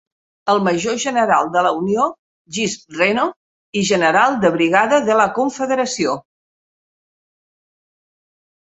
El major general de la unió Jesse Reno i general de brigada de la confederació.